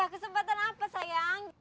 kesempatan apa sayang